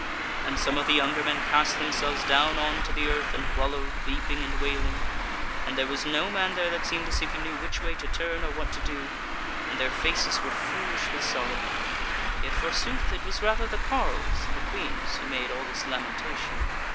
and some of the younger men cast themselves down on to the earth, and wallowed, weeping and wailing: and there was no man there that seemed as if he knew which way to turn, or what to do; and their faces were foolish with sorrow. Yet forsooth it was rather the carles than the queans who made all this lamentation.